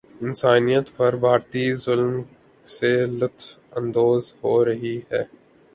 انسانیت پر بھارتی ظلم سے لطف اندوز ہورہی ہے